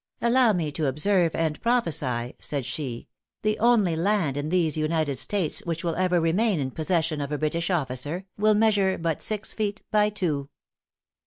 "Allow me to observe and prophesy," said she, "the only land in these United States which will ever remain in possession of a British officer, will measure but six feet by two."